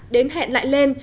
đến hẹn lại lên